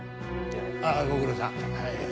ああご苦労さん。